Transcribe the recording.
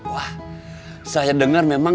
wah saya dengar memang